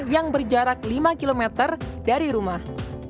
yang berjarak lima km dari rumah